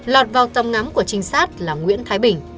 lọt vào tầm ngắm của trinh sát là nguyễn thái bình